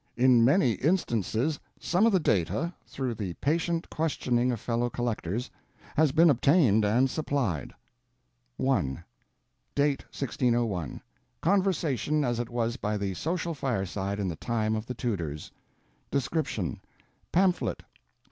In many instances some of the data, through the patient questioning of fellow collectors, has been obtained and supplied. 1. [Date, 1601.] Conversation, as it was by the Social Fireside, in the Time of the Tudors. DESCRIPTION: Pamphlet, pp.